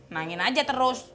nangin aja terus